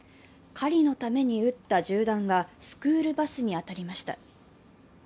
狩りのために撃った銃弾がスクールバスに当たりました。